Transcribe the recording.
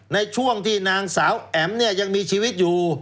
ในช่วงที่นางสาวแอ๋มเนี่ยยังมีชีวิตอยู่